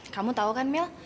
kamu tahu kan mil